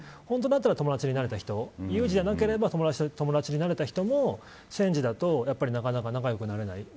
本当だったら友達になれた人有事じゃなければ友達になれた人も戦時だとなかなか仲良くなれない。